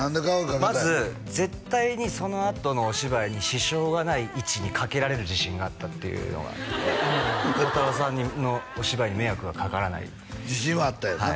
まず絶対にそのあとのお芝居に支障がない位置にかけられる自信があったっていうのがあって鋼太郎さんのお芝居に迷惑が掛からない自信はあったんやね